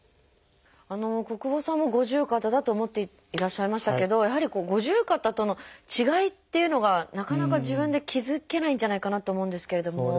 小久保さんも五十肩だと思っていらっしゃいましたけどやはり五十肩との違いっていうのがなかなか自分で気付けないんじゃないかなと思うんですけれども。